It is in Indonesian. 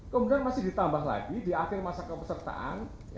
kemudian masih ditambah lagi di akhir masa kepesertaan